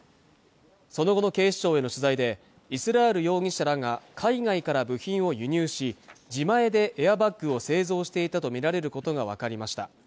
その後の警視庁への取材でイスラール容疑者らが海外から部品を輸入し自前でエアバッグを製造していたとみられることが分かりました